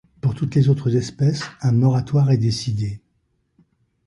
Pour toutes les autres espèces, un moratoire est décidé.